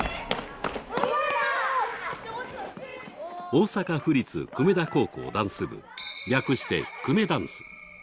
大阪府立久米田高校ダンス部略して、くめだんす。